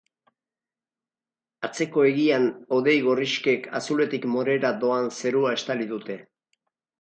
Atzeko hegian hodei gorrixkek azuletik morera doan zerua estali dute.